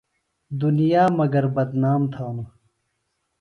دُنیا مگر بدنام تھانوۡ۔